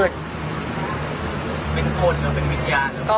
เป็นคนหรือเป็นวิญญาณหรือ